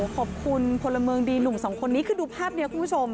พลเมืองดีหนุ่มสองคนนี้คือดูภาพนี้คุณผู้ชม